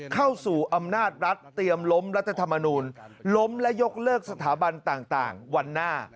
เข้าสู่อำนาจรัฐเตรียมล้มรัฐธรรมนูลล้มและยกเลิกสถาบันต่างวันหน้า